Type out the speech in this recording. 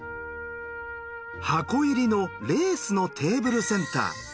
箱入りのレースのテーブルセンター。